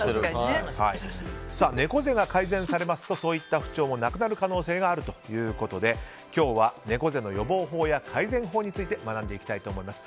猫背が改善されますとそういった不調もなくなる可能性があるということで今日は猫背の予防法や改善法について学んでいきたいと思います。